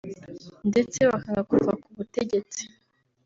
ndetse bakanga kuva ku butegetsi